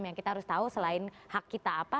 yang kita harus tahu selain hak kita apa